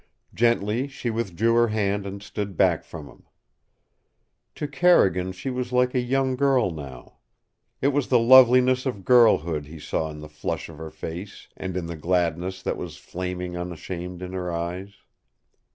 Gently she withdrew her hand and stood back from him. To Carrigan she was like a young girl now. It was the loveliness of girlhood he saw in the flush of her face and in the gladness that was flaming unashamed in her eyes.